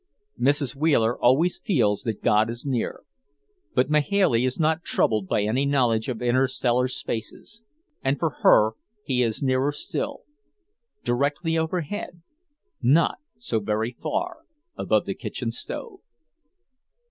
Mrs. Wheeler always feels that God is near, but Mahailey is not troubled by any knowledge of interstellar spaces, and for her He is nearer still, directly overhead, not so very far above the kitchen stove.